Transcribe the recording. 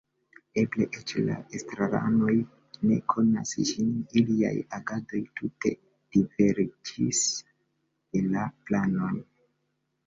Eble eĉ la estraranoj ne konas ĝin iliaj agadoj tute diverĝis de la planoj.